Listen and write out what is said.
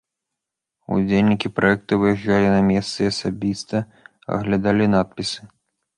Удзельнікі праекта выязджалі на месцы і асабіста аглядалі надпісы.